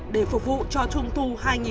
để phục vụ cho trung thu